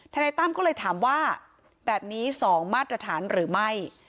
นายตั้มก็เลยถามว่าแบบนี้๒มาตรฐานหรือไม่